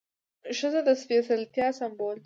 ښځه د سپېڅلتیا سمبول ده.